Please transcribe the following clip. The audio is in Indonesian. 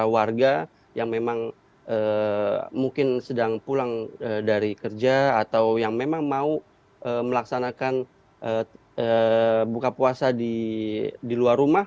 warga yang memang mungkin sedang pulang dari kerja atau yang memang mau melaksanakan buka puasa di luar rumah